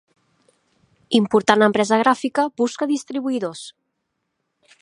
Important empresa gràfica busca distribuïdors.